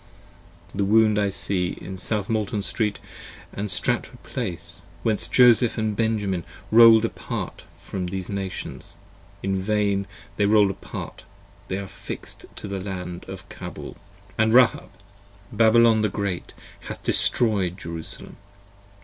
55 The Wound I see in South Molton Street & Stratford place, Whence Joseph & Benjamin roll'd apart away from the Nations: 57 In vain they roll'd apart: they are fix'd into the Land of Cabul. p. 75 AND Rahab, Babylon the Great, hath destroyed Jerusalem.